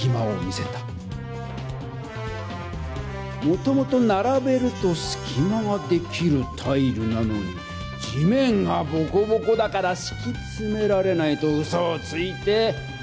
もともとならべるとすきまができるタイルなのに「地面がボコボコだからしきつめられない」とうそをついて。